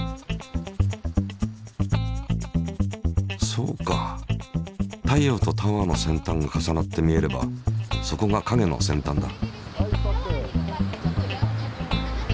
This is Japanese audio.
そうか太陽とタワーの先端が重なって見えればそこが影の先端だ。